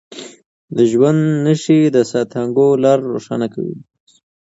د ژوند نښې د سانتیاګو لار روښانه کوي.